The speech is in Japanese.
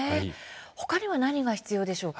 ほかには何が必要でしょうか。